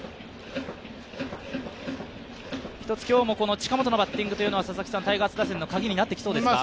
今日も近本のバッティングはタイガース打線のカギになってきそうですか？